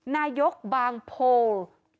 นายกบางโพ